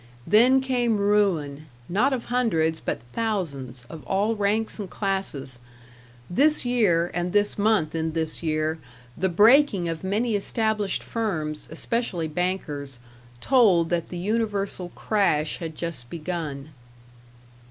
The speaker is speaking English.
Then came ruin, not of hundreds, but thousands, of all ranks and classes. This year, and this month in this year, the breaking of many established firms, especially bankers, told that the universal crash had just begun.